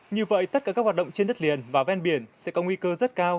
như vậy tất cả các hoạt động trên đất liền và ven biển sẽ có nguy cơ rất cao